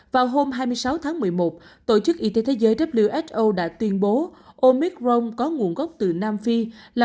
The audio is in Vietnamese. vào hôm hai mươi sáu tháng một mươi một tổ chức y tế thế giới đã tuyên bố omicron có nguồn gốc từ nam phi là